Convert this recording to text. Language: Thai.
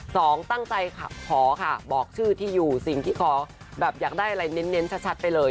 สองตั้งใจขอค่ะบอกชื่อที่อยู่สิ่งที่ขอแบบอยากได้อะไรเน้นชัดไปเลย